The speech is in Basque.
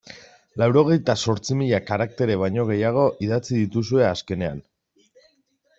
Laurogeita zortzi mila karaktere baino gehiago idatzi dituzue azkenean.